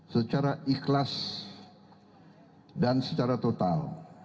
secara ikhlas dan secara total